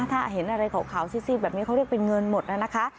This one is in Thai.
ถ้าเห็นอะไรขาวซีดแบบนี้เขาเรียกเป็นเงินหมดนะคะ